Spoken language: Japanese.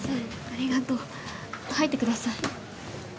ありがとう入ってください